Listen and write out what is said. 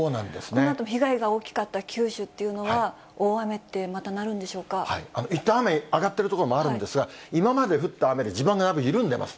このあと被害が大きかった九州っていうのは、いったん、雨上がっている所もあるんですが、今まで降った雨で地盤がだいぶ緩んでます。